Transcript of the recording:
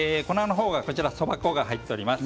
そば粉が入っています。